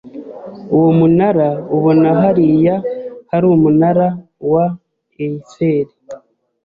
Uwo munara ubona hariya hari umunara wa Eiffel.